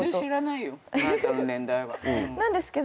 なんですけど。